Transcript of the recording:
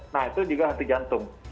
nah itu juga henti jantung